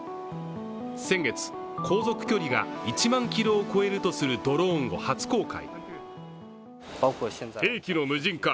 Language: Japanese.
先月、航続距離が１万キロを超えるとするドローンを初公開。